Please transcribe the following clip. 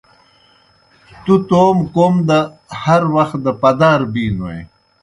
تُوْ توموْ کوْم دہ ہر وخ دہ پَدَار بِینوئے۔